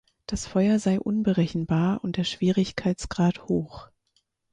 Das Feuer sei unberechenbar und der Schwierigkeitsgrad hoch.